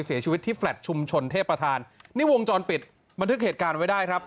เสียชีวิตที่แฟลต์ชุมชนเทพประธานนี่วงจรปิดบันทึกเหตุการณ์ไว้ได้ครับ